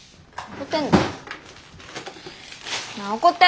怒ってんの？